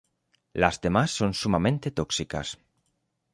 Las demás son sumamente tóxicas.